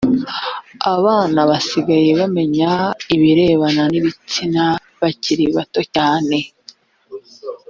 abana basigaye bamenya ibirebana n ibitsina bakiri bato cyane